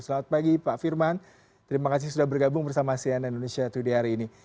selamat pagi pak firman terima kasih sudah bergabung bersama sian indonesia today hari ini